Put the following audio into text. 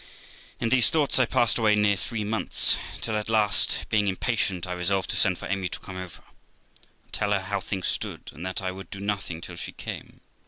In these thoughts I passed away near three months; till at last, being impatient, I resolved to send for Amy to come over, and tell her how things stood, and that I would do nothing till she came.